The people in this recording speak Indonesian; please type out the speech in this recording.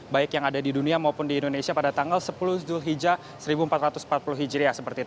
baik yang ada di dunia maupun di indonesia pada tanggal sepuluh julhijjah seribu empat ratus empat puluh hijriah